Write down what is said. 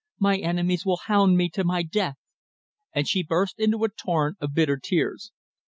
My enemies will hound me to my death!" And she burst into a torrent of bitter tears.